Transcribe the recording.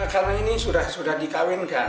karena ini sudah dikawinkan